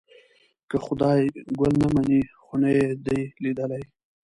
که خدای ګل نه مني خو نه یې دی لیدلی.